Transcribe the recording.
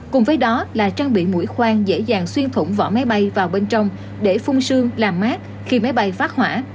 cùng với đó là trang bị mũi khoan dễ dàng xuyên thủng vỏ máy bay vào bên trong để phung sương làm mát khi máy bay phát hỏa